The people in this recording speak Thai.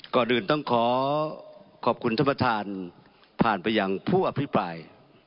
ก่อนอื่นต้องขอขอบคุณท่านประธานผ่านไปยังผู้อภิปราย